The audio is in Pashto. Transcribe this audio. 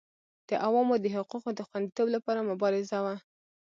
د عوامو د حقوقو د خوندیتوب لپاره مبارزه وه.